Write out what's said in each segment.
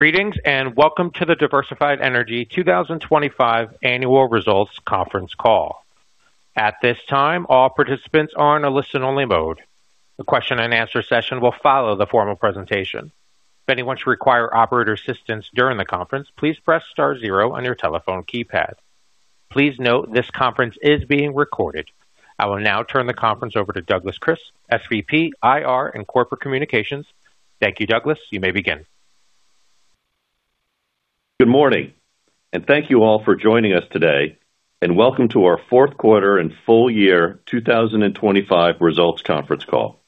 Greetings, welcome to the Diversified Energy 2025 Annual Results Conference Call. At this time, all participants are in a listen-only mode. The question and answer session will follow the formal presentation. If anyone should require operator assistance during the conference, please press star zero on your telephone keypad. Please note, this conference is being recorded. I will now turn the conference over to Douglas Kris, SVP, IR, and Corporate Communications. Thank you, Douglas. You may begin. Good morning, and thank you all for joining us today, and welcome to our fourth quarter and full year 2025 results conference call.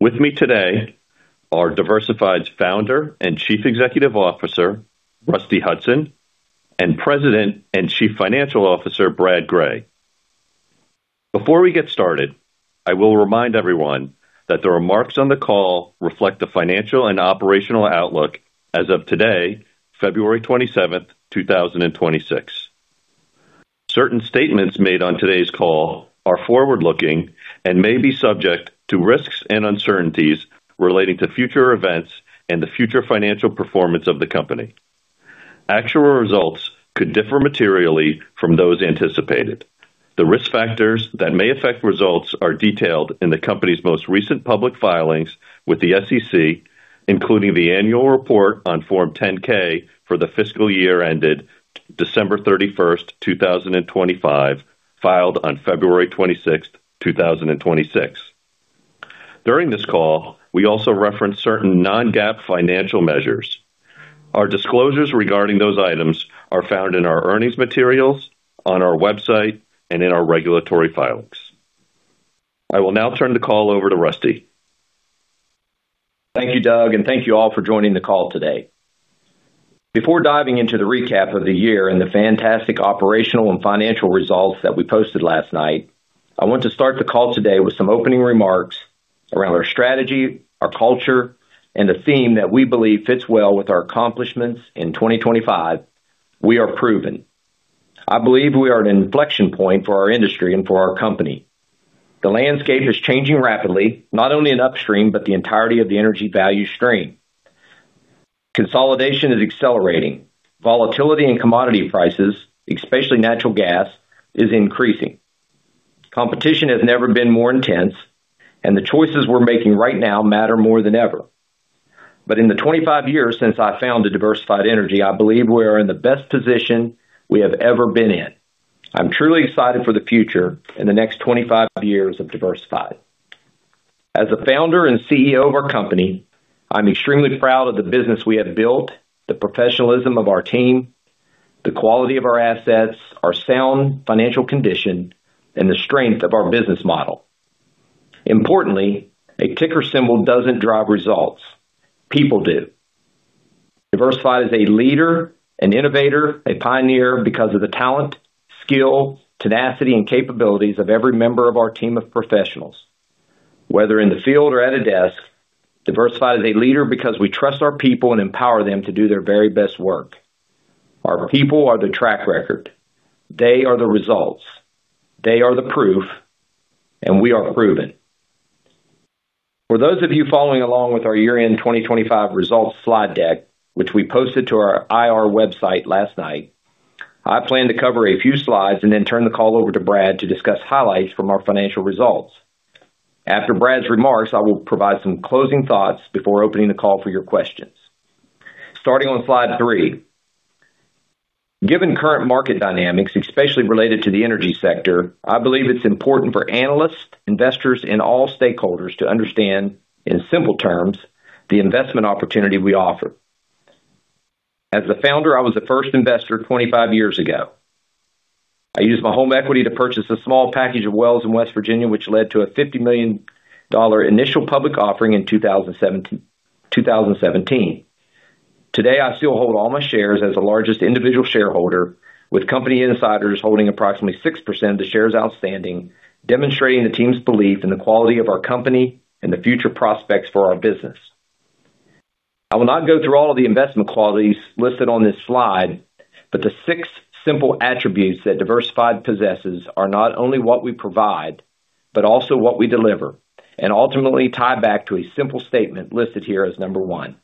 With me today are Diversified's Founder and Chief Executive Officer, Rusty Hutson, and President and Chief Financial Officer, Brad Gray. Before we get started, I will remind everyone that the remarks on the call reflect the financial and operational outlook as of today, February 27th, 2026. Certain statements made on today's call are forward-looking and may be subject to risks and uncertainties relating to future events and the future financial performance of the company. Actual results could differ materially from those anticipated. The risk factors that may affect results are detailed in the company's most recent public filings with the SEC, including the annual report on Form 10-K for the fiscal year ended December 31st, 2025, filed on February 26th, 2026. During this call, we also reference certain non-GAAP financial measures. Our disclosures regarding those items are found in our earnings materials, on our website, and in our regulatory filings. I will now turn the call over to Rusty. Thank you, Doug, and thank you all for joining the call today. Before diving into the recap of the year and the fantastic operational and financial results that we posted last night, I want to start the call today with some opening remarks around our strategy, our culture, and a theme that we believe fits well with our accomplishments in 2025. We are proven. I believe we are at an inflection point for our industry and for our company. The landscape is changing rapidly, not only in upstream, but the entirety of the energy value stream. Consolidation is accelerating. Volatility in commodity prices, especially natural gas, is increasing. Competition has never been more intense, and the choices we're making right now matter more than ever. In the 25 years since I founded Diversified Energy, I believe we are in the best position we have ever been in. I'm truly excited for the future and the next 25 years of Diversified. As the founder and CEO of our company, I'm extremely proud of the business we have built, the professionalism of our team, the quality of our assets, our sound financial condition, and the strength of our business model. Importantly, a ticker symbol doesn't drive results, people do. Diversified is a leader, an innovator, a pioneer because of the talent, skill, tenacity, and capabilities of every member of our team of professionals. Whether in the field or at a desk, Diversified is a leader because we trust our people and empower them to do their very best work. Our people are the track record. They are the results. They are the proof, and we are proven. For those of you following along with our year-end 2025 results slide deck, which we posted to our IR website last night, I plan to cover a few slides and then turn the call over to Brad to discuss highlights from our financial results. After Brad's remarks, I will provide some closing thoughts before opening the call for your questions. Starting on slide three. Given current market dynamics, especially related to the energy sector, I believe it's important for analysts, investors, and all stakeholders to understand, in simple terms, the investment opportunity we offer. As the founder, I was the first investor 25 years ago. I used my home equity to purchase a small package of wells in West Virginia, which led to a $50 million initial public offering in 2017. Today, I still hold all my shares as the largest individual shareholder, with company insiders holding approximately 6% of the shares outstanding, demonstrating the team's belief in the quality of our company and the future prospects for our business. I will not go through all of the investment qualities listed on this slide, but the six simple attributes that Diversified Energy possesses are not only what we provide, but also what we deliver, and ultimately tie back to a simple statement listed here as number one.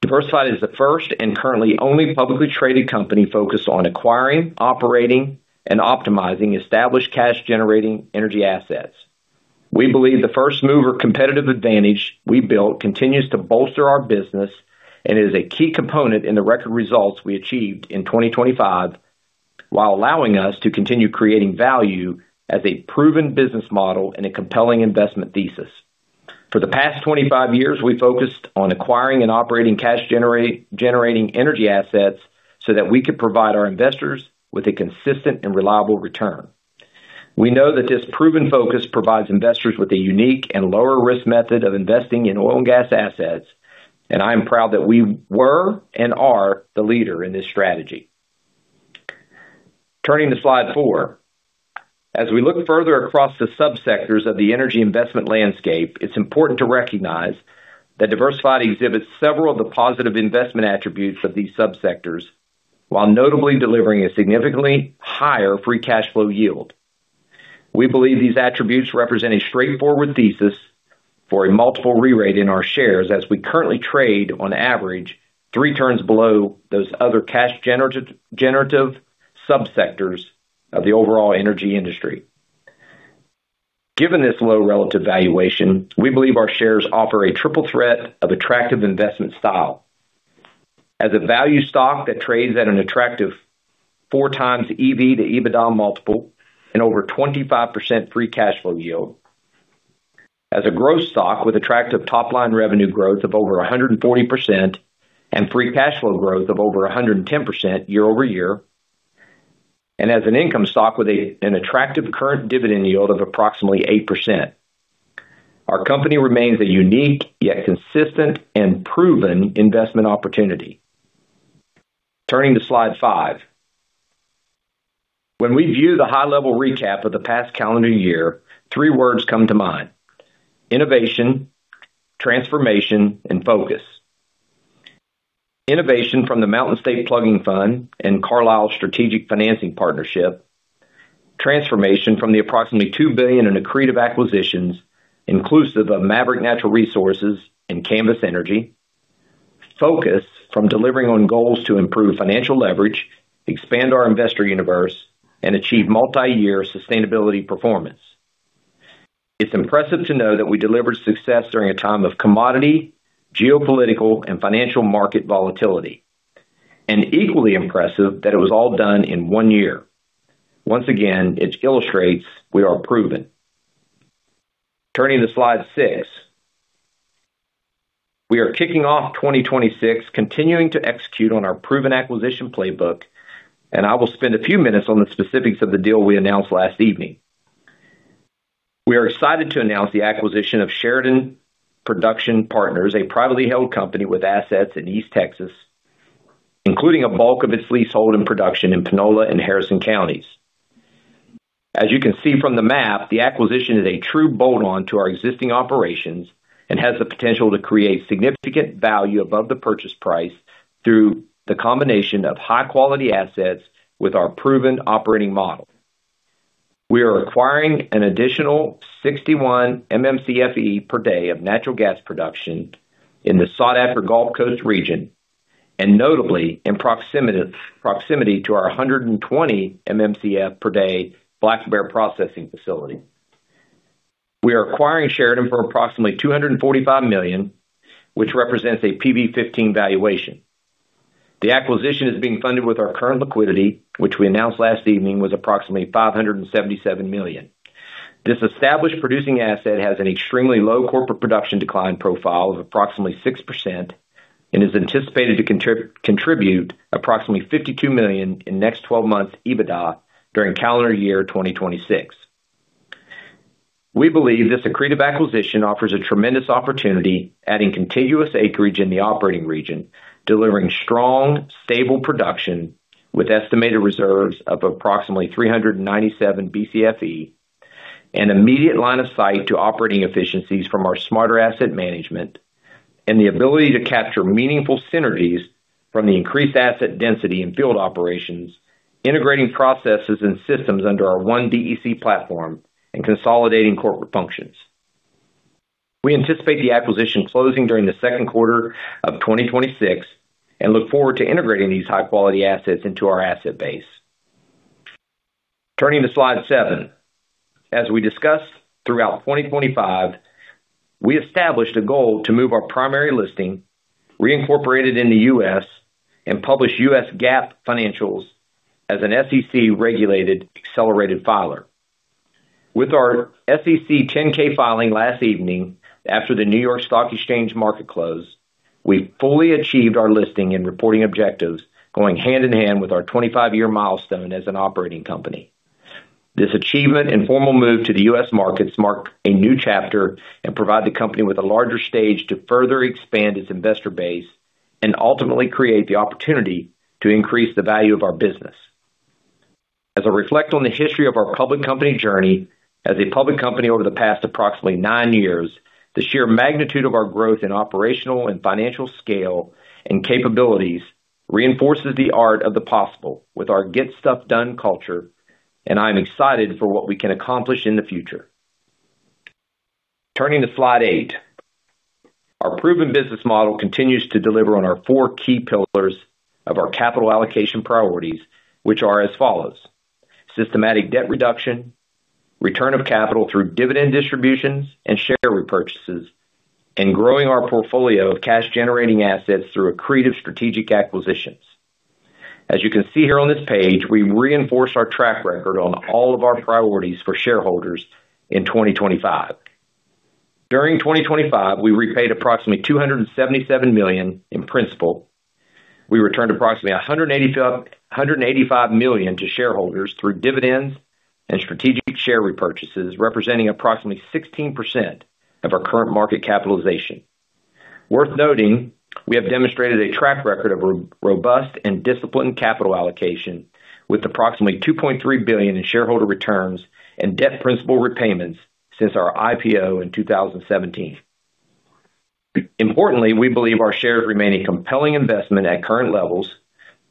Diversified Energy is the first and currently only publicly traded company focused on acquiring, operating, and optimizing established cash-generating energy assets. We believe the first-mover competitive advantage we built continues to bolster our business and is a key component in the record results we achieved in 2025, while allowing us to continue creating value as a proven business model and a compelling investment thesis. For the past 25 years, we focused on acquiring and operating cash generating energy assets so that we could provide our investors with a consistent and reliable return. We know that this proven focus provides investors with a unique and lower risk method of investing in oil and gas assets. I am proud that we were and are the leader in this strategy. Turning to slide four. As we look further across the subsectors of the energy investment landscape, it's important to recognize that Diversified exhibits several of the positive investment attributes of these subsectors, while notably delivering a significantly higher free cash flow yield. We believe these attributes represent a straightforward thesis for a multiple rerate in our shares, as we currently trade on average three turns below those other cash generative subsectors of the overall energy industry. Given this low relative valuation, we believe our shares offer a triple threat of attractive investment style: as a value stock that trades at an attractive 4x EV/EBITDA multiple and over 25% free cash flow yield, as a growth stock with attractive top line revenue growth of over 140% and free cash flow growth of over 110% year-over-year, and as an attractive current dividend yield of approximately 8%. Our company remains a unique, yet consistent and proven investment opportunity. Turning to slide five. When we view the high level recap of the past calendar year, three words come to mind: innovation, transformation, and focus. Innovation from the Mountain State Plugging Fund and Carlyle Strategic Financing Partnership. Transformation from the approximately $2 billion in accretive acquisitions, inclusive of Maverick Natural Resources and Canvas Energy. Focus from delivering on goals to improve financial leverage, expand our investor universe, and achieve multi-year sustainability performance. It's impressive to know that we delivered success during a time of commodity, geopolitical, and financial market volatility, and equally impressive that it was all done in one year. Once again, it illustrates we are proven. Turning to slide six. We are kicking off 2026, continuing to execute on our proven acquisition playbook, I will spend a few minutes on the specifics of the deal we announced last evening. We are excited to announce the acquisition of Sheridan Production Partners, a privately held company with assets in East Texas, including a bulk of its leasehold and production in Panola and Harrison counties. As you can see from the map, the acquisition is a true bolt-on to our existing operations and has the potential to create significant value above the purchase price through the combination of high quality assets with our proven operating model. We are acquiring an additional 61 MMCFE per day of natural gas production in the sought-after Gulf Coast region, notably, in proximity to our 120 MMCF per day Black Bear processing facility. We are acquiring Sheridan for approximately $245 million, which represents a PV-15 valuation. The acquisition is being funded with our current liquidity, which we announced last evening, was approximately $577 million. This established producing asset has an extremely low corporate production decline profile of approximately 6% and is anticipated to contribute approximately $52 million in next 12 months EBITDA during calendar year 2026. We believe this accretive acquisition offers a tremendous opportunity, adding contiguous acreage in the operating region, delivering strong, stable production with estimated reserves of approximately 397 BCFE, an immediate line of sight to operating efficiencies from our Smarter Asset Management, and the ability to capture meaningful synergies from the increased asset density in field operations, integrating processes and systems under our One DEC platform and consolidating corporate functions. We anticipate the acquisition closing during the second quarter of 2026, and look forward to integrating these high quality assets into our asset base. Turning to slide seven. As we discussed throughout 2025, we established a goal to move our primary listing, reincorporated in the U.S., and publish U.S. GAAP financials as an SEC regulated accelerated filer. With our SEC 10-K filing last evening, after the New York Stock Exchange market closed, we fully achieved our listing and reporting objectives, going hand in hand with our 25-year milestone as an operating company. This achievement and formal move to the U.S. markets mark a new chapter and provide the company with a larger stage to further expand its investor base and ultimately create the opportunity to increase the value of our business. As I reflect on the history of our public company journey, as a public company over the past approximately nine years, the sheer magnitude of our growth in operational and financial scale and capabilities reinforces the art of the possible with our Get Stuff Done culture, and I'm excited for what we can accomplish in the future. Turning to slide eight. Our proven business model continues to deliver on our four key pillars of our capital allocation priorities, which are as follows: systematic debt reduction, return of capital through dividend distributions and share repurchases, and growing our portfolio of cash-generating assets through accretive strategic acquisitions. As you can see here on this page, we reinforce our track record on all of our priorities for shareholders in 2025. During 2025, we repaid approximately $277 million in principal. We returned approximately $185 million to shareholders through dividends and strategic share repurchases, representing approximately 16% of our current market capitalization. Worth noting, we have demonstrated a track record of robust and disciplined capital allocation, with approximately $2.3 billion in shareholder returns and debt principal repayments since our IPO in 2017. Importantly, we believe our shares remain a compelling investment at current levels,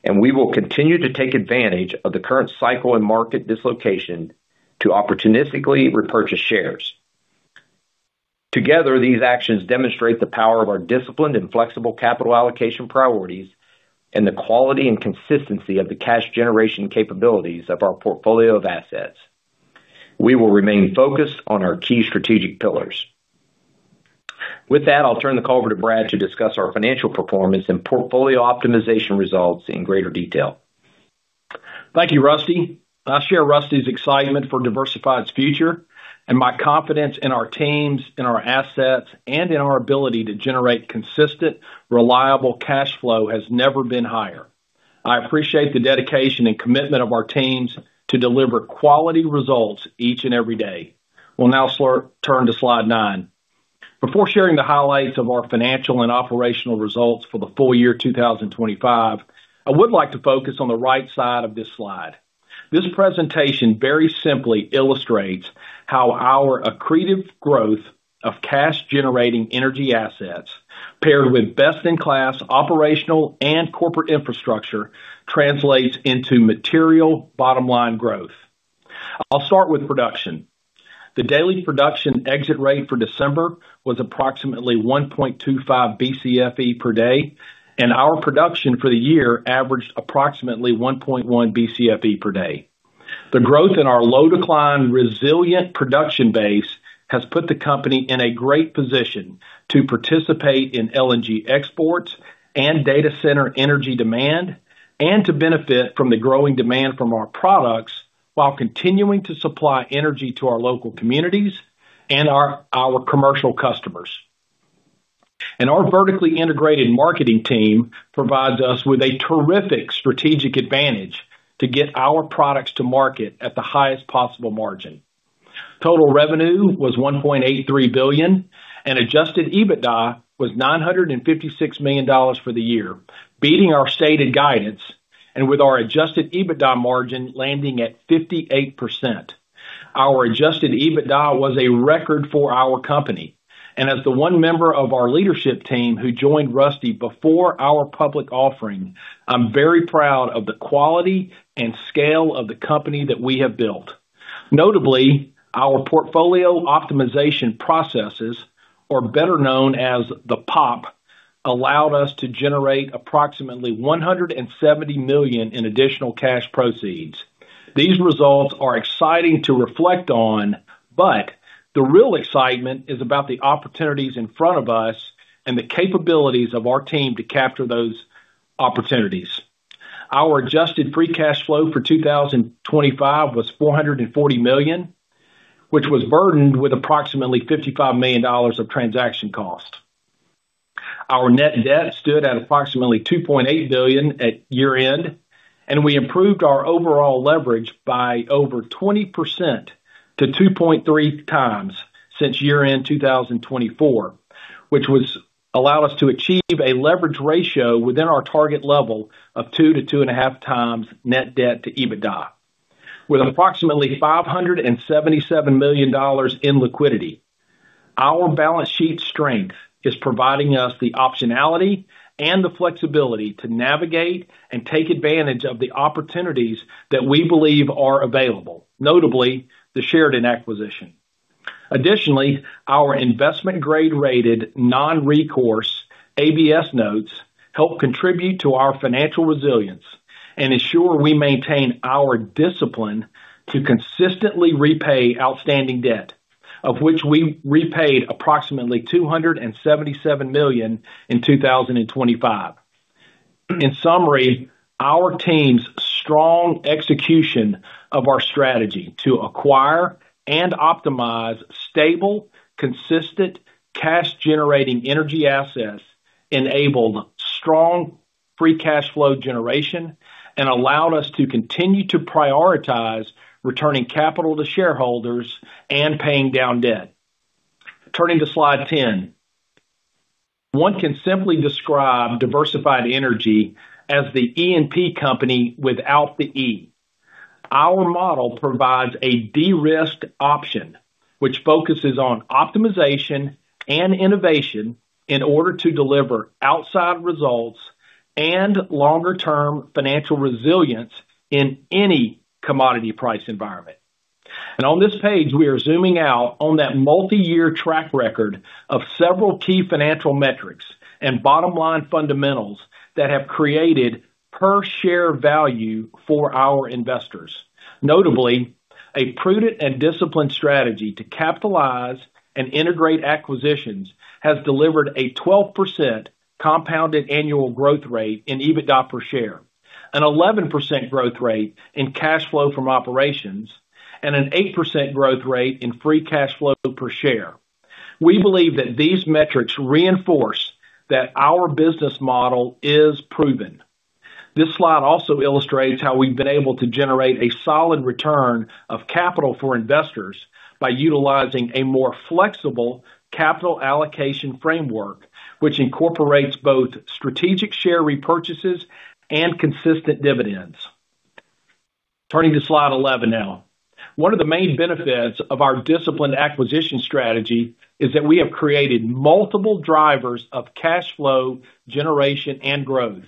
and we will continue to take advantage of the current cycle and market dislocation to opportunistically repurchase shares. Together, these actions demonstrate the power of our disciplined and flexible capital allocation priorities and the quality and consistency of the cash generation capabilities of our portfolio of assets. We will remain focused on our key strategic pillars. With that, I'll turn the call over to Brad to discuss our financial performance and portfolio optimization results in greater detail. Thank you, Rusty. My confidence in our teams, in our assets, and in our ability to generate consistent, reliable cash flow has never been higher. I appreciate the dedication and commitment of our teams to deliver quality results each and every day. We'll now turn to slide nine. Before sharing the highlights of our financial and operational results for the full year 2025, I would like to focus on the right side of this slide. This presentation very simply illustrates how our accretive growth of cash-generating energy assets, paired with best-in-class operational and corporate infrastructure, translates into material bottom-line growth. I'll start with production. The daily production exit rate for December was approximately 1.25 BCFE per day. Our production for the year averaged approximately 1.1 BCFE per day. The growth in our low decline, resilient production base has put the company in a great position to participate in LNG exports and data center energy demand, and to benefit from the growing demand from our products, while continuing to supply energy to our local communities and our commercial customers. Our vertically integrated marketing team provides us with a terrific strategic advantage to get our products to market at the highest possible margin. Total revenue was $1.83 billion, and Adjusted EBITDA was $956 million for the year, beating our stated guidance and with our Adjusted EBITDA margin landing at 58%. Our Adjusted EBITDA was a record for our company, and as the one member of our leadership team who joined Rusty before our public offering, I'm very proud of the quality and scale of the company that we have built. Notably, our portfolio optimization processes, or better known as the POP, allowed us to generate approximately $170 million in additional cash proceeds. The real excitement is about the opportunities in front of us and the capabilities of our team to capture those opportunities. Our adjusted free cash flow for 2025 was $440 million, which was burdened with approximately $55 million of transaction costs. Our net debt stood at approximately $2.8 billion at year-end. We improved our overall leverage by over 20% to 2.3x since year-end 2024, allowed us to achieve a leverage ratio within our target level of 2 to 2.5x net debt to EBITDA. With approximately $577 million in liquidity, our balance sheet strength is providing us the optionality and the flexibility to navigate and take advantage of the opportunities that we believe are available, notably the Sheridan acquisition. Additionally, our investment grade rated non-recourse ABS notes help contribute to our financial resilience and ensure we maintain our discipline to consistently repay outstanding debt, of which we repaid approximately $277 million in 2025. In summary, our team's strong execution of our strategy to acquire and optimize stable, consistent, cash-generating energy assets enabled strong free cash flow generation and allowed us to continue to prioritize returning capital to shareholders and paying down debt. Turning to slide 10. One can simply describe Diversified Energy as the E&P company without the E. Our model provides a de-risked option, which focuses on optimization and innovation in order to deliver outside results and longer-term financial resilience in any commodity price environment. On this page, we are zooming out on that multiyear track record of several key financial metrics and bottom-line fundamentals that have created per share value for our investors. Notably, a prudent and disciplined strategy to capitalize and integrate acquisitions has delivered a 12% compounded annual growth rate in EBITDA per share, an 11% growth rate in cash flow from operations, and an 8% growth rate in free cash flow per share. We believe that these metrics reinforce that our business model is proven. This slide also illustrates how we've been able to generate a solid return of capital for investors by utilizing a more flexible capital allocation framework, which incorporates both strategic share repurchases and consistent dividends. Turning to slide 11 now. One of the main benefits of our disciplined acquisition strategy is that we have created multiple drivers of cash flow, generation, and growth.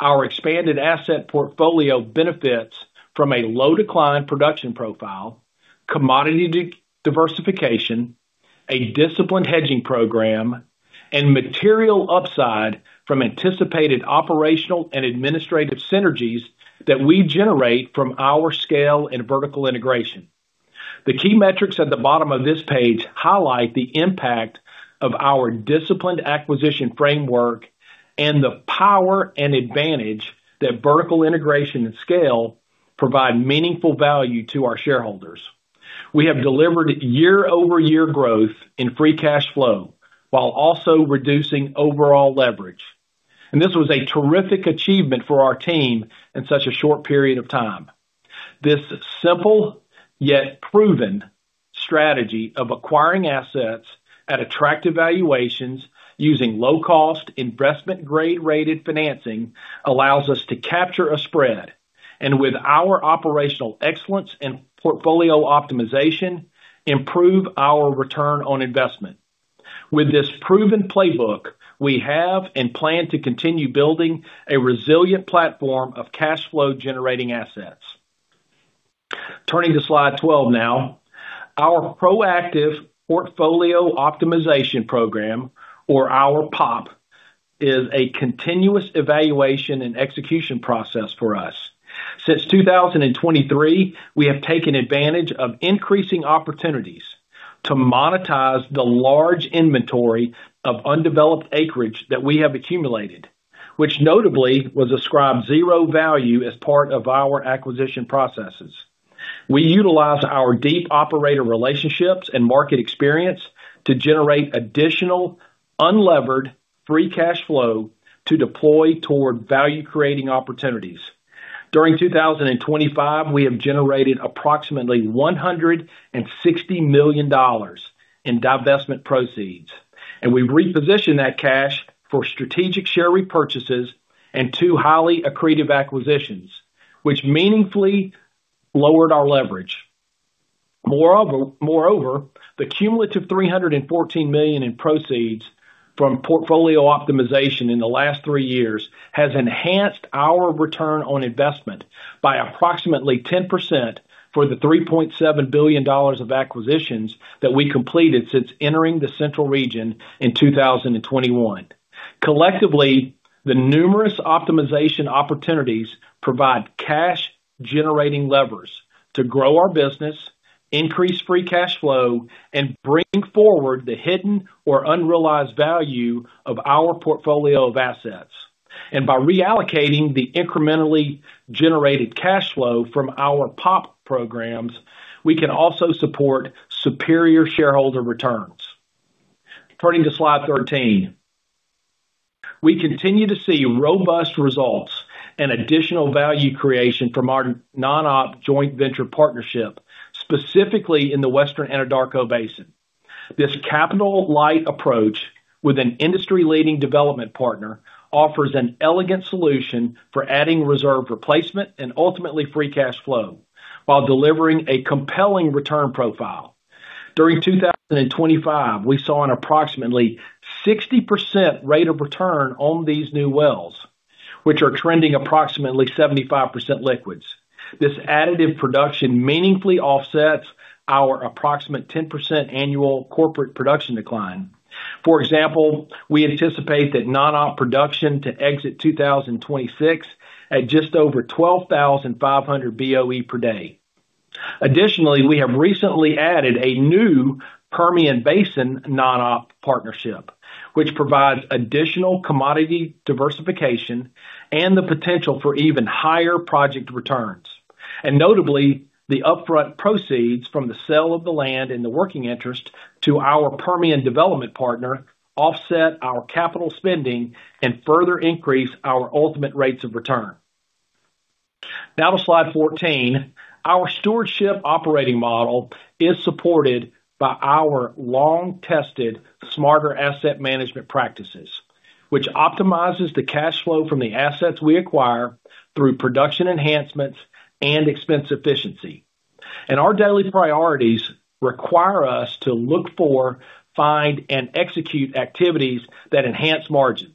Our expanded asset portfolio benefits from a low decline production profile, commodity diversification, a disciplined hedging program, and material upside from anticipated operational and administrative synergies that we generate from our scale and vertical integration. The key metrics at the bottom of this page highlight the impact of our disciplined acquisition framework and the power and advantage that vertical integration and scale provide meaningful value to our shareholders. We have delivered year-over-year growth in free cash flow, while also reducing overall leverage. This was a terrific achievement for our team in such a short period of time. This simple, yet proven strategy of acquiring assets at attractive valuations, using low-cost, investment-grade rated financing, allows us to capture a spread, and with our operational excellence and portfolio optimization, improve our return on investment. With this proven playbook, we have and plan to continue building a resilient platform of cash flow generating assets. Turning to slide 12 now. Our proactive portfolio optimization program, or our POP, is a continuous evaluation and execution process for us. Since 2023, we have taken advantage of increasing opportunities to monetize the large inventory of undeveloped acreage that we have accumulated, which notably was ascribed zero value as part of our acquisition processes. We utilize our deep operator relationships and market experience to generate additional unlevered free cash flow to deploy toward value creating opportunities. During 2025, we have generated approximately $160 million in divestment proceeds, and we've repositioned that cash for strategic share repurchases and two highly accretive acquisitions, which meaningfully lowered our leverage. Moreover, the cumulative $314 million in proceeds from portfolio optimization in the last three years has enhanced our return on investment by approximately 10% for the $3.7 billion of acquisitions that we completed since entering the central region in 2021. Collectively, the numerous optimization opportunities provide cash generating levers to grow our business, increase free cash flow, and bring forward the hidden or unrealized value of our portfolio of assets. By reallocating the incrementally generated cash flow from our POP programs, we can also support superior shareholder returns. Turning to slide 13. We continue to see robust results and additional value creation from our non-op joint venture partnership, specifically in the Western Anadarko Basin. This capital-light approach, with an industry-leading development partner, offers an elegant solution for adding reserve replacement and ultimately free cash flow, while delivering a compelling return profile. During 2025, we saw an approximately 60% rate of return on these new wells, which are trending approximately 75% liquids. This additive production meaningfully offsets our approximate 10% annual corporate production decline. For example, we anticipate that non-op production to exit 2026 at just over 12,500 BOE per day. Additionally, we have recently added a new Permian Basin non-op partnership, which provides additional commodity diversification and the potential for even higher project returns. Notably, the upfront proceeds from the sale of the land and the working interest to our Permian development partner offset our capital spending and further increase our ultimate rates of return. Now to slide 14. Our stewardship operating model is supported by our long-tested, Smarter Asset Management practices, which optimizes the cash flow from the assets we acquire through production enhancements and expense efficiency. Our daily priorities require us to look for, find, and execute activities that enhance margins.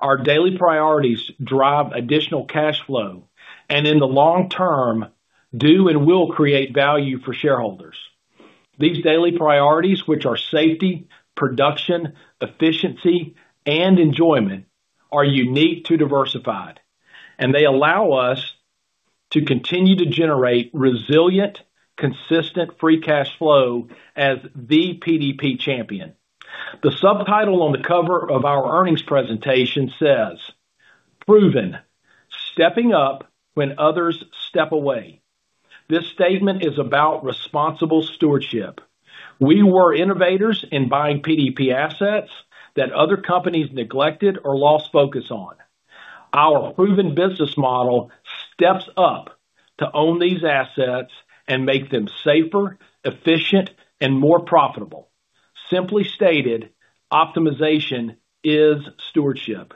Our daily priorities drive additional cash flow, and in the long term, do and will create value for shareholders. These daily priorities, which are safety, production, efficiency, and enjoyment, are unique to Diversified, and they allow us to continue to generate resilient, consistent, free cash flow as the PDP champion. The subtitle on the cover of our earnings presentation says, "Proven: Stepping up when others step away." This statement is about responsible stewardship. We were innovators in buying PDP assets that other companies neglected or lost focus on. Our proven business model steps up to own these assets and make them safer, efficient, and more profitable. Simply stated, optimization is stewardship.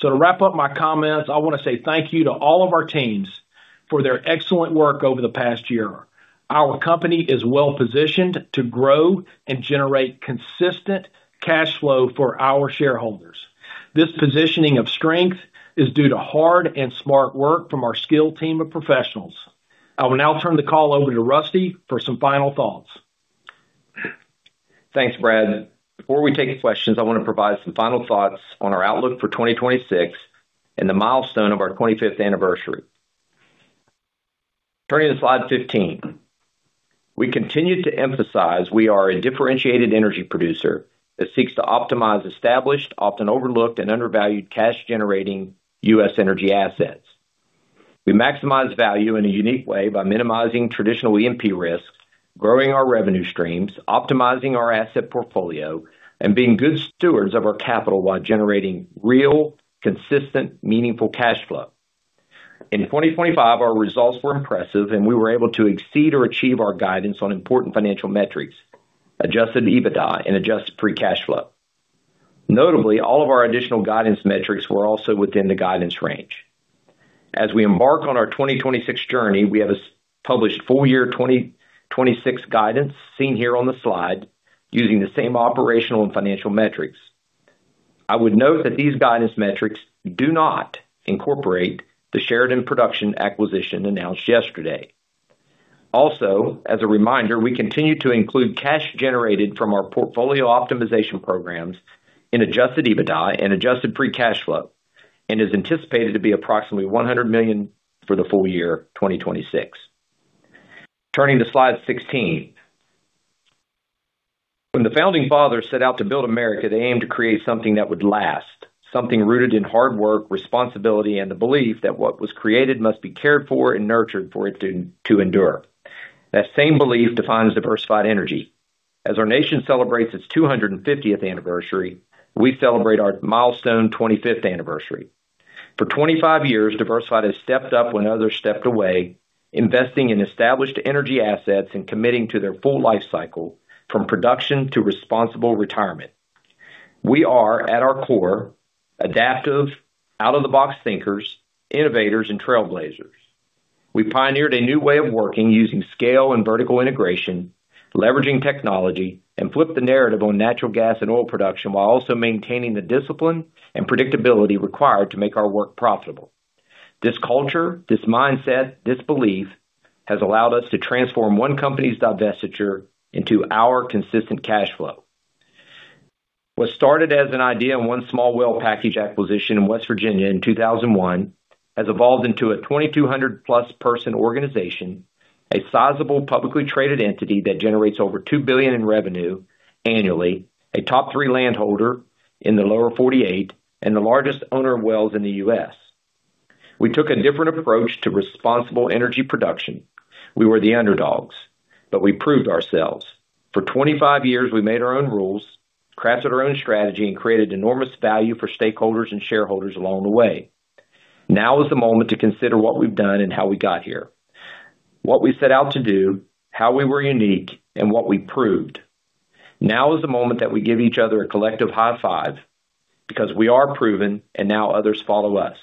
To wrap up my comments, I want to say thank you to all of our teams for their excellent work over the past year. Our company is well positioned to grow and generate consistent cash flow for our shareholders. This positioning of strength is due to hard and smart work from our skilled team of professionals. I will now turn the call over to Rusty for some final thoughts. Thanks, Brad. Before we take questions, I want to provide some final thoughts on our outlook for 2026 and the milestone of our 25th anniversary. Turning to slide 15. We continue to emphasize we are a differentiated energy producer that seeks to optimize established, often overlooked, and undervalued cash generating U.S. energy assets. We maximize value in a unique way by minimizing traditional E&P risks, growing our revenue streams, optimizing our asset portfolio, and being good stewards of our capital while generating real, consistent, meaningful cash flow. In 2025, our results were impressive, and we were able to exceed or achieve our guidance on important financial metrics, Adjusted EBITDA and adjusted free cash flow. Notably, all of our additional guidance metrics were also within the guidance range. As we embark on our 2026 journey, we have a published full year 2026 guidance, seen here on the slide, using the same operational and financial metrics. I would note that these guidance metrics do not incorporate the Sheridan Production acquisition announced yesterday. As a reminder, we continue to include cash generated from our portfolio optimization programs in Adjusted EBITDA and adjusted free cash flow, and is anticipated to be approximately $100 million for the full year 2026. Turning to slide 16. When the founding fathers set out to build America, they aimed to create something that would last, something rooted in hard work, responsibility, and the belief that what was created must be cared for and nurtured for it to endure. That same belief defines Diversified Energy. As our nation celebrates its 250th anniversary, we celebrate our milestone 25th anniversary. For 25 years, Diversified has stepped up when others stepped away, investing in established energy assets and committing to their full life cycle, from production to responsible retirement. We are, at our core, adaptive, out-of-the-box thinkers, innovators, and trailblazers. We pioneered a new way of working, using scale and vertical integration, leveraging technology, and flipped the narrative on natural gas and oil production, while also maintaining the discipline and predictability required to make our work profitable. This culture, this mindset, this belief, has allowed us to transform one company's divestiture into our consistent cash flow. What started as an idea in one small well package acquisition in West Virginia in 2001, has evolved into a 2,200+ person organization, a sizable publicly traded entity that generates over $2 billion in revenue annually, a top three landholder in the lower 48, and the largest owner of wells in the U.S. We took a different approach to responsible energy production. We were the underdogs, we proved ourselves. For 25 years, we made our own rules, crafted our own strategy, and created enormous value for stakeholders and shareholders along the way. Now is the moment to consider what we've done and how we got here, what we set out to do, how we were unique, and what we proved. Now is the moment that we give each other a collective high five, because we are proven and now others follow us.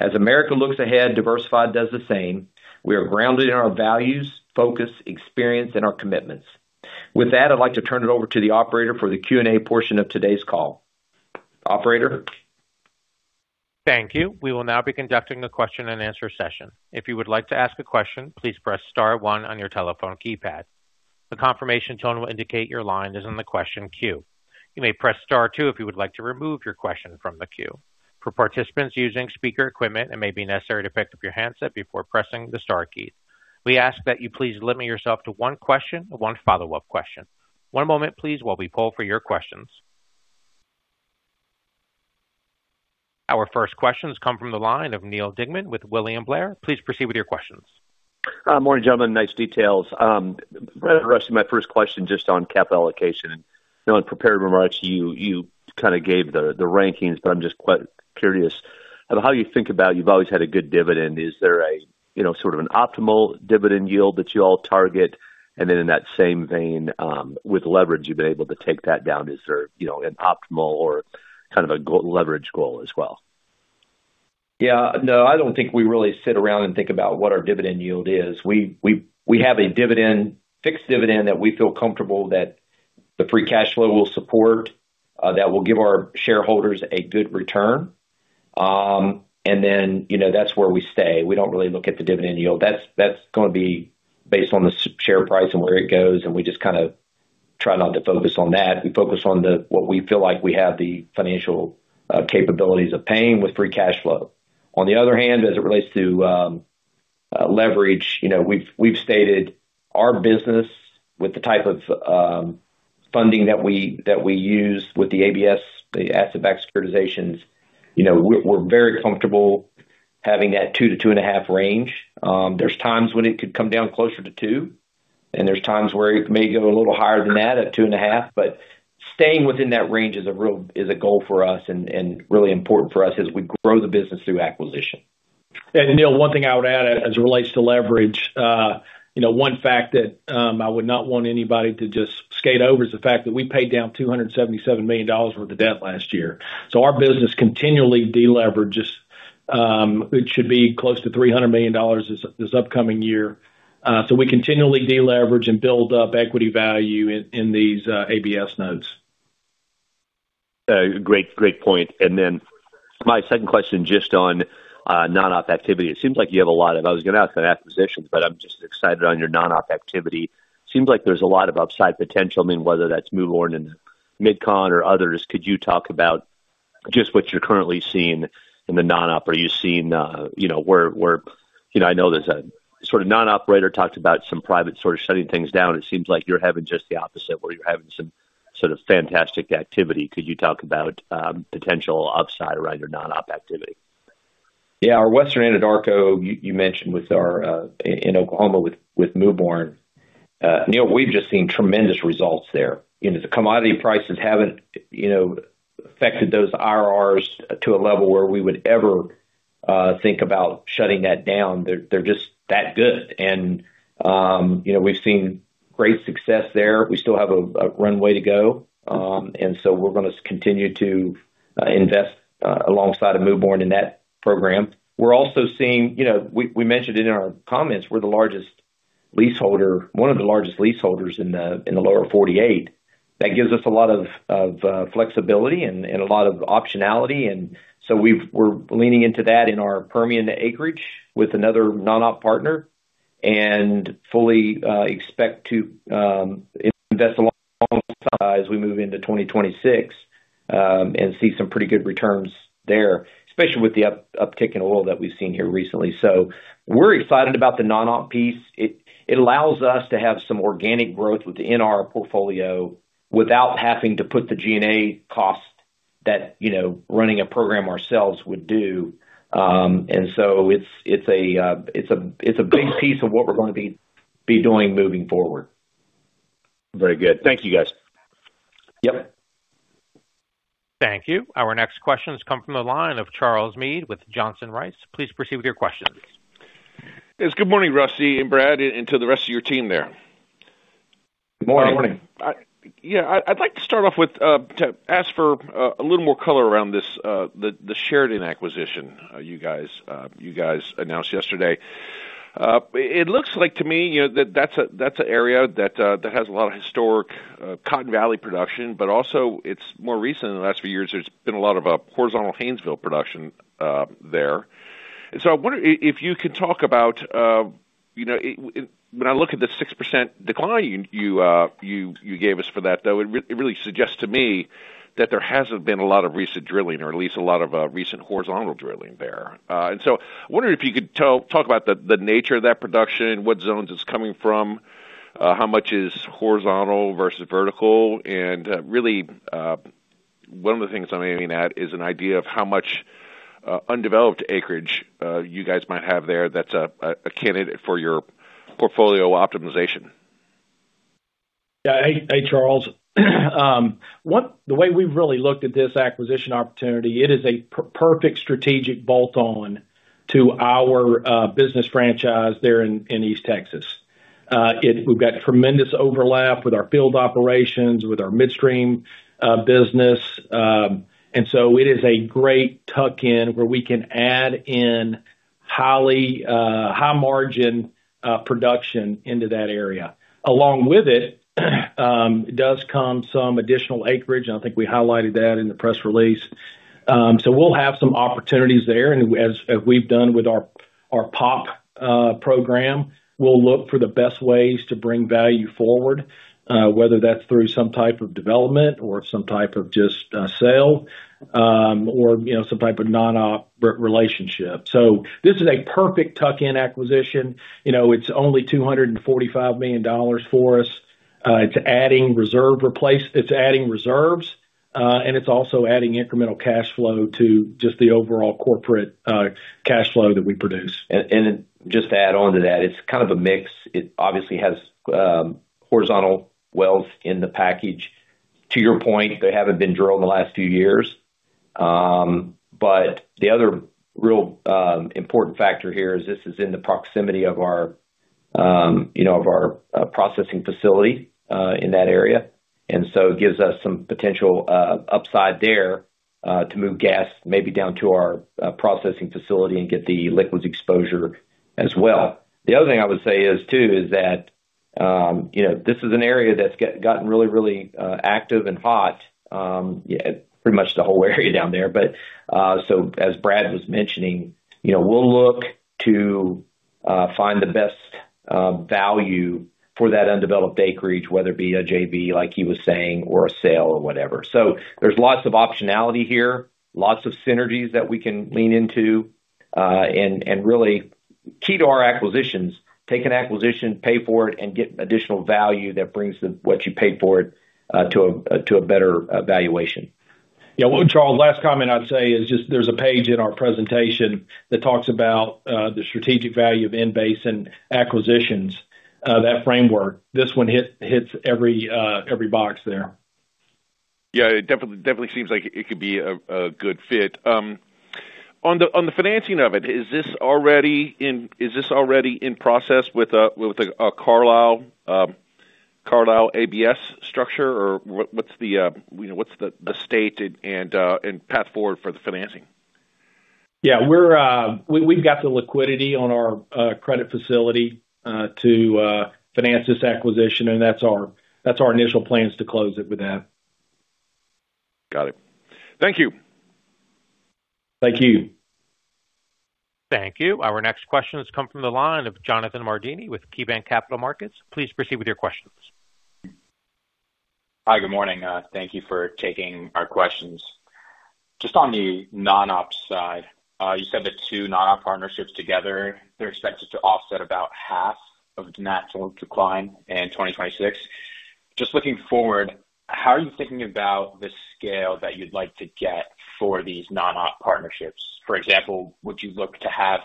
As America looks ahead, Diversified does the same. We are grounded in our values, focus, experience, and our commitments. With that, I'd like to turn it over to the operator for the Q&A portion of today's call. Operator? Thank you. We will now be conducting a question and answer session. If you would like to ask a question, please press star one on your telephone keypad. The confirmation tone will indicate your line is in the question queue. You may press star two if you would like to remove your question from the queue. For participants using speaker equipment, it may be necessary to pick up your handset before pressing the star key. We ask that you please limit yourself to one question and one follow-up question. One moment, please, while we poll for your questions. Our first questions come from the line of Neal Dingmann with William Blair. Please proceed with your questions. Morning, gentlemen. Nice details. The rest of my first question, just on capital allocation. You know, in prepared remarks, you kind of gave the rankings, but I'm just quite curious about how you think about you've always had a good dividend. Is there, you know, sort of an optimal dividend yield that you all target? In that same vein, with leverage, you've been able to take that down. Is there, you know, an optimal or kind of a leverage goal as well? Yeah. No, I don't think we really sit around and think about what our dividend yield is. We have a fixed dividend that we feel comfortable that the free cash flow will support, that will give our shareholders a good return. You know, that's where we stay. We don't really look at the dividend yield. That's gonna be based on the share price and where it goes, and we just kind of try not to focus on that. We focus on what we feel like we have the financial capabilities of paying with free cash flow. On the other hand, as it relates to leverage, you know, we've stated our business with the type of funding that we use with the ABS, the asset-backed securitizations. You know, we're very comfortable having that two to 2.5 range. There's times when it could come down closer to two, and there's times where it may go a little higher than that, at 2.5. Staying within that range is a goal for us and really important for us as we grow the business through acquisition. Neal, one thing I would add as it relates to leverage, you know, one fact that I would not want anybody to just skate over is the fact that we paid down $277 million worth of debt last year. Our business continually deleverages. It should be close to $300 million this upcoming year. We continually deleverage and build up equity value in these ABS notes. Great point. Then my second question, just on non-op activity. I was going to ask about acquisitions, but I'm just excited on your non-op activity. Seems like there's a lot of upside potential. I mean, whether that's Mewbourne and Mid-Continent or others, could you talk about just what you're currently seeing in the non-op? Are you seeing, you know, where, you know, I know there's a sort of non-operator talked about some private sort of shutting things down. It seems like you're having just the opposite, where you're having some sort of fantastic activity. Could you talk about potential upside around your non-op activity? Yeah, our Western Anadarko, you mentioned with our in Oklahoma, with Mewbourne. Neal, we've just seen tremendous results there. You know, the commodity prices haven't, you know, affected those IRRs to a level where we would ever think about shutting that down. They're just that good. You know, we've seen great success there. We still have a runway to go. So we're gonna continue to invest alongside of Mewbourne in that program. We're also seeing, you know, we mentioned in our comments, we're the largest leaseholder, one of the largest leaseholders in the lower 48. That gives us a lot of flexibility and a lot of optionality, and so we're leaning into that in our Permian acreage with another non-op partner, and fully expect to invest alongside as we move into 2026, and see some pretty good returns there, especially with the uptick in oil that we've seen here recently. We're excited about the non-op piece. It allows us to have some organic growth within our portfolio without having to put the G&A cost that, you know, running a program ourselves would do. It's a big piece of what we're gonna be doing moving forward. Very good. Thank you, guys. Yep. Thank you. Our next question has come from the line of Charles Meade with Johnson Rice. Please proceed with your question. Yes, good morning, Rusty and Brad, and to the rest of your team there. Good morning. Good morning. Yeah, I'd like to start off with to ask for a little more color around this, the Sheridan acquisition, you guys announced yesterday. It, it looks like to me, you know, that that's a, that's an area that has a lot of historic Cotton Valley production, but also it's more recent. In the last few years, there's been a lot of horizontal Haynesville production there. I wonder if you can talk about, you know, when I look at the 6% decline you gave us for that, though, it really suggests to me that there hasn't been a lot of recent drilling or at least a lot of recent horizontal drilling there. I wonder if you could talk about the nature of that production, what zones it's coming from, how much is horizontal versus vertical? Really, one of the things I'm aiming at, is an idea of how much undeveloped acreage you guys might have there that's a candidate for your portfolio optimization. Yeah. Hey, Charles. The way we've really looked at this acquisition opportunity, it is a perfect strategic bolt on to our business franchise there in East Texas. We've got tremendous overlap with our field operations, with our midstream business. It is a great tuck in, where we can add in highly high margin production into that area. Along with it does come some additional acreage. I think we highlighted that in the press release. We'll have some opportunities there, and as we've done with our POP program, we'll look for the best ways to bring value forward, whether that's through some type of development or some type of just sale, or, you know, some type of non-op relationship. This is a perfect tuck-in acquisition. You know, it's only $245 million for us. It's adding reserves, and it's also adding incremental cash flow to just the overall corporate cash flow that we produce. Just to add on to that, it's kind of a mix. It obviously has horizontal wells in the package. To your point, they haven't been drilled in the last few years. The other real important factor here is this is in the proximity of our, you know, of our processing facility in that area. It gives us some potential upside there to move gas, maybe down to our processing facility and get the liquids exposure as well. The other thing I would say is, too, is that, you know, this is an area that's gotten really, really active and hot. Yeah, pretty much the whole area down there. As Brad was mentioning, you know, we'll look to find the best value for that undeveloped acreage, whether it be a JV, like he was saying, or a sale or whatever. There's lots of optionality here, lots of synergies that we can lean into, and really key to our acquisitions, take an acquisition, pay for it, and get additional value that brings what you paid for it to a, to a better valuation. Well, Charles, last comment I'd say is just there's a page in our presentation that talks about the strategic value of in-basin acquisitions, that framework. This one hits every box there. Yeah, it definitely seems like it could be a good fit. On the financing of it, is this already in process with Carlyle ABS structure? Or what's the, you know, what's the state and path forward for the financing? We've got the liquidity on our credit facility to finance this acquisition, and that's our initial plans to close it with that. Got it. Thank you. Thank you. Thank you. Our next question has come from the line of Jonathan Mardini with KeyBanc Capital Markets. Please proceed with your questions. Hi, good morning. Thank you for taking our questions. Just on the non-ops side, you said the two non-op partnerships together, they're expected to offset about half of the net total decline in 2026. Just looking forward, how are you thinking about the scale that you'd like to get for these non-op partnerships? For example, would you look to have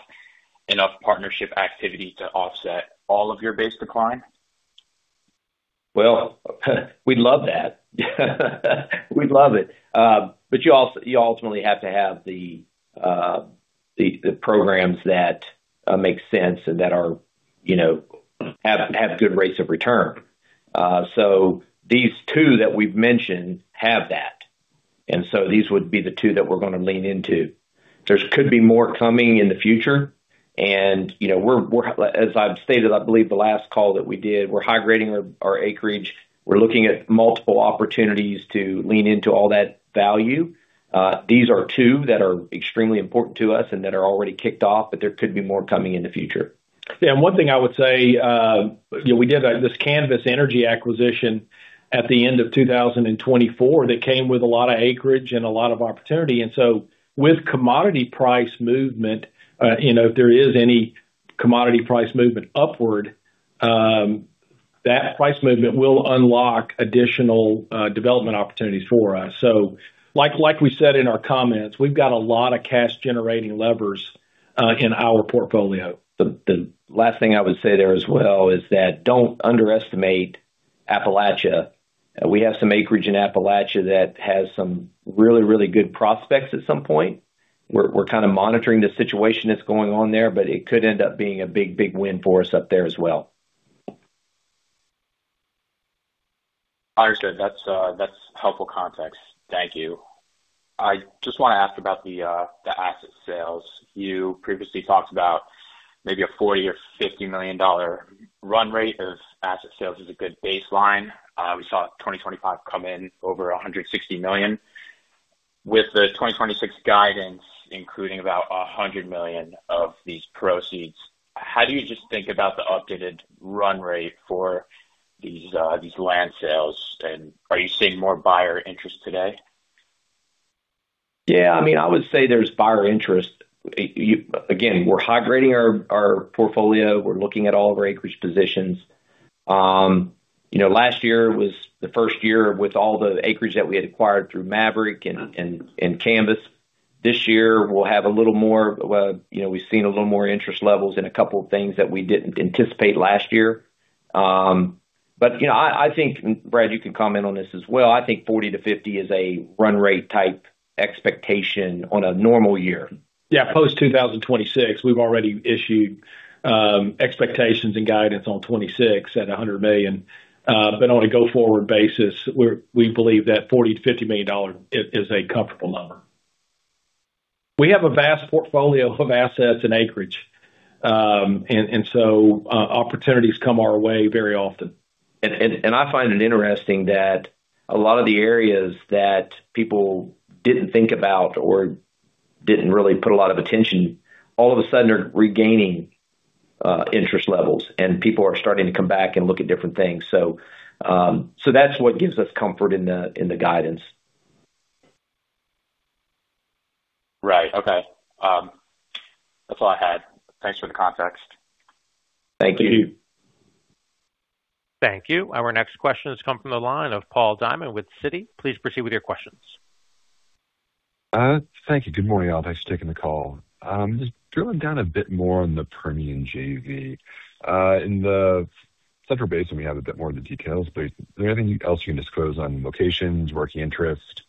enough partnership activity to offset all of your base decline? Well, we'd love that. We'd love it. You ultimately have to have the programs that make sense and that are, you know, have good rates of return. These two that we've mentioned have that, and so these would be the two that we're gonna lean into. There could be more coming in the future, and, you know, we're, as I've stated, I believe, the last call that we did, we're high-grading our acreage. We're looking at multiple opportunities to lean into all that value. These are two that are extremely important to us and that are already kicked off, but there could be more coming in the future. Yeah, one thing I would say, you know, we did this Canvas Energy acquisition at the end of 2024, that came with a lot of acreage and a lot of opportunity. With commodity price movement, you know, if there is any commodity price movement upward, that price movement will unlock additional development opportunities for us. Like we said in our comments, we've got a lot of cash generating levers in our portfolio. The last thing I would say there as well, is that don't underestimate Appalachia. We have some acreage in Appalachia that has some really, really good prospects at some point. We're kind of monitoring the situation that's going on there, it could end up being a big, big win for us up there as well. Understood. That's, that's helpful context. Thank you. I just want to ask about the asset sales. You previously talked about maybe a $40 million or $50 million run rate of asset sales is a good baseline. We saw 2025 come in over $160 million. With the 2026 guidance, including about $100 million of these proceeds, how do you just think about the updated run rate for these land sales? Are you seeing more buyer interest today? Yeah, I mean, I would say there's buyer interest. We're high-grading our portfolio. We're looking at all of our acreage positions. You know, last year was the first year with all the acreage that we had acquired through Maverick and Canvas. This year, we'll have a little more, you know, we've seen a little more interest levels in a couple of things that we didn't anticipate last year. You know, I think, Brad, you can comment on this as well. I think 40-50 is a run rate type expectation on a normal year. Post 2026, we've already issued expectations and guidance on 2026 at $100 million. On a go-forward basis, we believe that $40 million-$50 million is a comfortable number. We have a vast portfolio of assets and acreage. Opportunities come our way very often. I find it interesting that a lot of the areas that people didn't think about or didn't really put a lot of attention, all of a sudden, are regaining interest levels, and people are starting to come back and look at different things. That's what gives us comfort in the guidance. Right. Okay. That's all I had. Thanks for the context. Thank you. Thank you. Thank you. Our next question has come from the line of Paul Diamond with Citi. Please proceed with your questions. Thank you. Good morning, all. Thanks for taking the call. Just drilling down a bit more on the Permian JV. In the central basin, we have a bit more of the details, but is there anything else you can disclose on locations, working interest,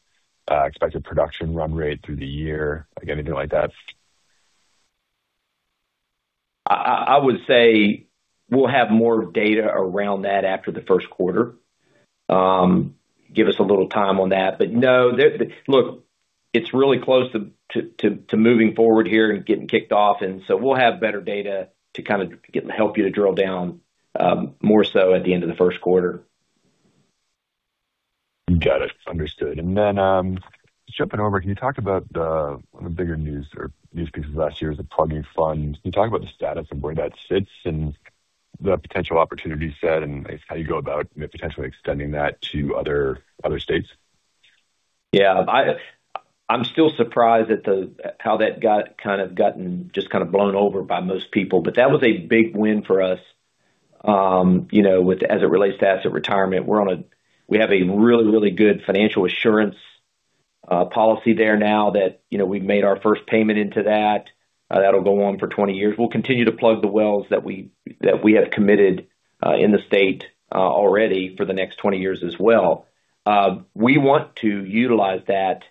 expected production run rate through the year? Again, anything like that? I would say we'll have more data around that after the first quarter. Give us a little time on that. No, look, it's really close to moving forward here and getting kicked off. So we'll have better data to kind of get, help you to drill down more so at the end of the first quarter. Got it. Understood. Just jumping over, can you talk about the bigger news or news pieces last year as a plugging fund? Can you talk about the status of where that sits and the potential opportunity set and how you go about potentially extending that to other states? Yeah, I'm still surprised at the... how that got, kind of, gotten just kind of blown over by most people, but that was a big win for us, you know, as it relates to asset retirement. We have a really, really good financial assurance policy there now that, you know, we've made our first payment into that. That'll go on for 20 years. We'll continue to plug the wells that we, that we have committed in the state already for the next 20 years as well. We want to utilize that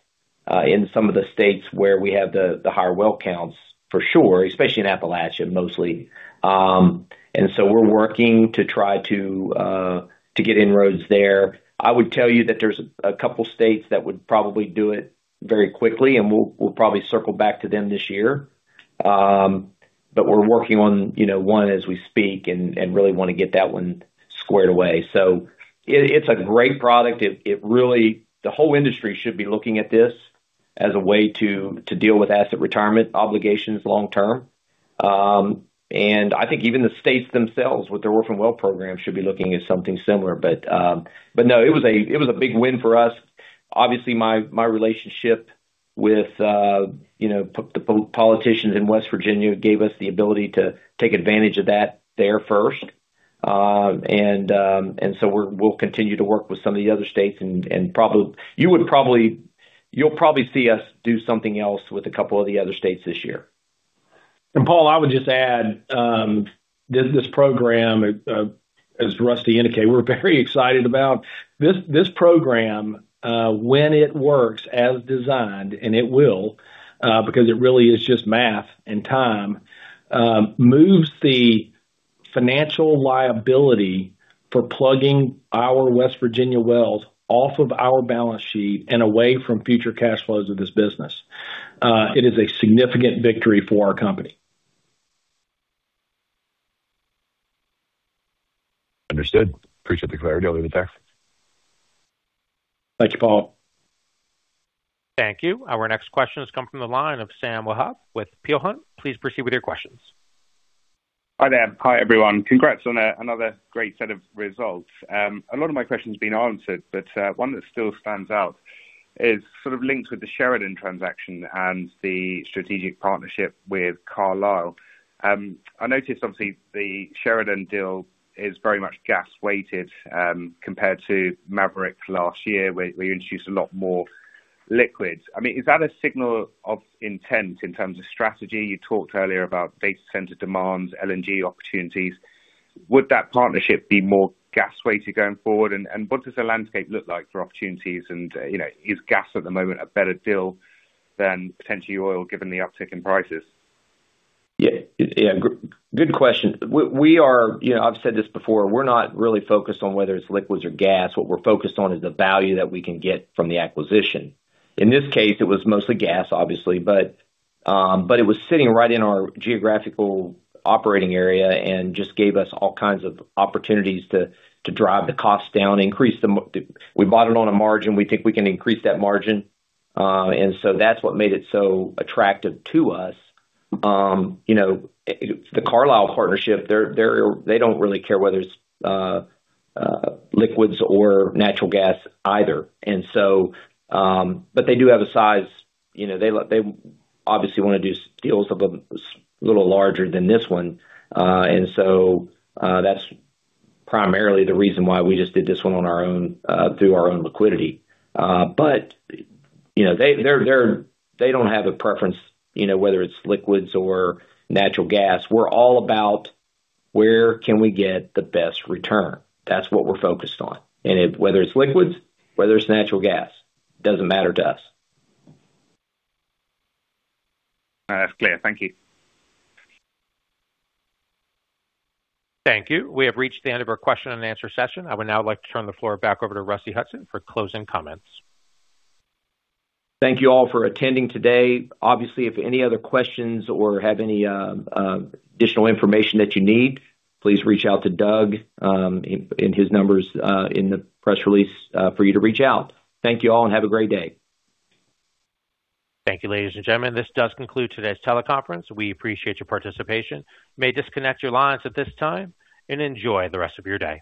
in some of the states where we have the higher well counts, for sure, especially in Appalachia, mostly. We're working to try to get inroads there. I would tell you that there's a couple states that would probably do it very quickly, and we'll probably circle back to them this year. We're working on, you know, one as we speak and really want to get that one squared away. It's a great product. It really the whole industry should be looking at this as a way to deal with asset retirement obligations long term. I think even the states themselves, with their orphan well program, should be looking at something similar. But no, it was a big win for us. Obviously, my relationship with, you know, the politicians in West Virginia gave us the ability to take advantage of that there first. We'll continue to work with some of the other states and, you'll probably see us do something else with a couple of the other states this year. Paul, I would just add, this program, as Rusty indicated, we're very excited about. This program, when it works as designed, and it will, because it really is just math and time, moves the financial liability for plugging our West Virginia wells off of our balance sheet and away from future cash flows of this business. It is a significant victory for our company. Understood. Appreciate the clarity on it there. Thank you, Paul. Thank you. Our next question has come from the line of Sam Wahab with Peel Hunt. Please proceed with your questions. Hi there. Hi, everyone. Congrats on another great set of results. A lot of my questions have been answered, but one that still stands out is sort of linked with the Sheridan transaction and the Strategic Partnership with Carlyle. I noticed obviously the Sheridan deal is very much gas weighted, compared to Maverick last year, where you introduced a lot more liquids. I mean, is that a signal of intent in terms of strategy? You talked earlier about data center demands, LNG opportunities. Would that partnership be more gas weighted going forward? What does the landscape look like for opportunities? You know, is gas at the moment a better deal than potentially oil, given the uptick in prices? Yeah. Good question. We are. You know, I've said this before: we're not really focused on whether it's liquids or gas. What we're focused on is the value that we can get from the acquisition. In this case, it was mostly gas, obviously, but it was sitting right in our geographical operating area and just gave us all kinds of opportunities to drive the costs down, increase the we bought it on a margin. We think we can increase that margin. That's what made it so attractive to us. You know, the Carlyle partnership, they don't really care whether it's liquids or natural gas either. But they do have a size, you know, they obviously want to do deals a little larger than this one. That's primarily the reason why we just did this one on our own through our own liquidity. You know, they don't have a preference, you know, whether it's liquids or natural gas. We're all about where can we get the best return? That's what we're focused on. Whether it's liquids, whether it's natural gas, doesn't matter to us. That's clear. Thank you. Thank you. We have reached the end of our question and answer session. I would now like to turn the floor back over to Rusty Hutson for closing comments. Thank you all for attending today. Obviously, if any other questions or have any additional information that you need, please reach out to Doug, and his number's in the press release for you to reach out. Thank you all, and have a great day. Thank you, ladies and gentlemen, this does conclude today's teleconference. We appreciate your participation. You may disconnect your lines at this time and enjoy the rest of your day.